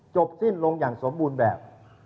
จบสิ้นลงอย่างสมบูรณ์แบบ